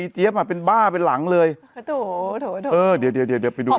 อีเจี๊บอ่ะเป็นบ้าเป็นหลังเลยถูกถูกถูกเออเดี๋ยวเดี๋ยวเดี๋ยวไปดูน่ะ